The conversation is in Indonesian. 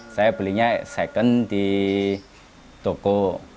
saya belinya second di toko